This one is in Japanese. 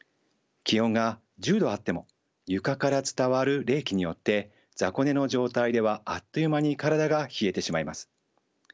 気温が１０度あっても床から伝わる冷気によって雑魚寝の状態ではあっという間に体が冷えてしまいます。